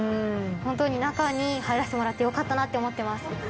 ホントに中に入らせてもらってよかったなって思ってます。